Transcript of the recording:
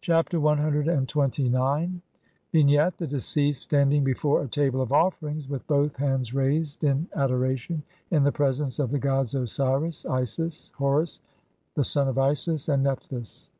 Chapter CXXIX. [From Lepsius, Todtenbuch, Bl. 51.] Vignette : The deceased standing before a table of offerings, with both hands raised in adoration, in the presence of the gods Osiris, Isis, Horus the son of Isis, and Nephthys.